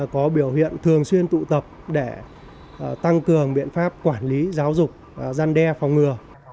có biểu hiện thường xuyên tụ tập để tăng cường biện pháp quản lý giáo dục gian đe phòng ngừa